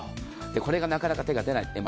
これがなかなか手が出ない。